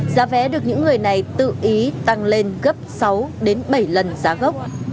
giá vé được những người này tự ý tăng lên gấp sáu bảy lần giá gốc